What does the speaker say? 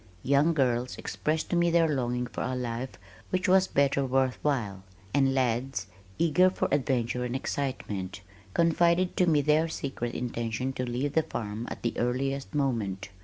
Young girls expressed to me their longing for a life which was better worth while, and lads, eager for adventure and excitement, confided to me their secret intention to leave the farm at the earliest moment.